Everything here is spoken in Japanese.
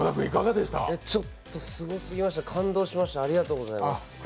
ちょっとすごすぎました、感動しました、ありがとうございます。